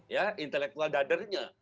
ya intelektual dadernya